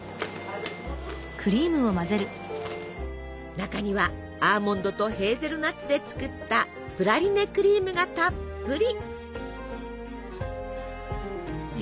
中にはアーモンドとヘーゼルナッツで作ったプラリネクリームがたっぷり。